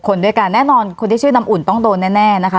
คนด้วยกันแน่นอนคนที่ชื่อน้ำอุ่นต้องโดนแน่นะคะ